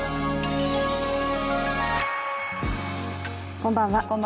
こんばんは。